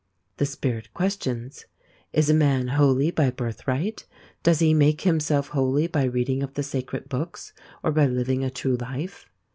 "' The Spirit questions : Is a man holy by birth right ? Does he make himself holy by reading of the sacred books or by living a true life